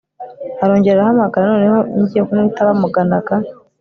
arongera arahamagara noneho ngiye kumwitaba muganaga